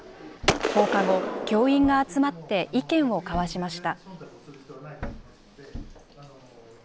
放課後、教員が集まって意見を交わしました。